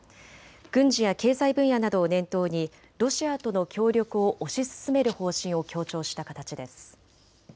軍事や経済分野などを念頭にロシアとの協力を押し進める方針を強調した形です。